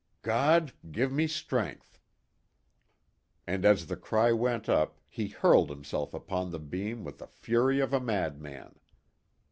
"God, give me strength!" And as the cry went up he hurled himself upon the beam with the fury of a madman.